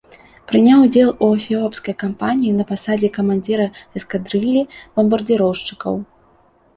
Прыняў удзел у эфіопскай кампаніі на пасадзе камандзіра эскадрыллі бамбардзіроўшчыкаў.